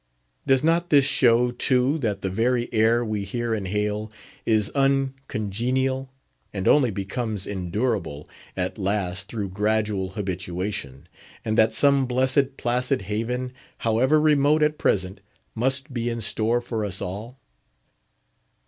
Does not this show, too, that the very air we here inhale is uncongenial, and only becomes endurable at last through gradual habituation, and that some blessed, placid haven, however remote at present, must be in store for us all?